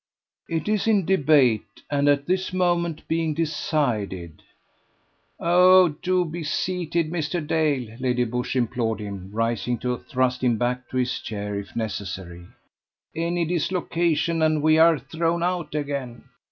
"It is in debate, and at this moment being decided." "Oh! do he seated, Mr. Dale," Lady Busshe implored him, rising to thrust him back to his chair if necessary. "Any dislocation, and we are thrown out again!